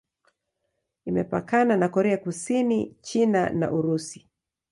Imepakana na Korea Kusini, China na Urusi.